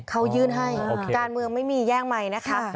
เขายื่นให้การเมืองไม่มีแย่งใหม่นะคะ